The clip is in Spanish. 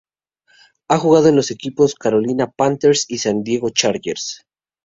Ha jugado en los equipos Carolina Panthers y San Diego Chargers.